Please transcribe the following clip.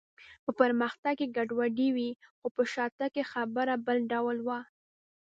په پرمختګ کې ګډوډي وي، خو په شاتګ کې خبره بل ډول وه.